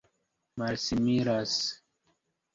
malsimilas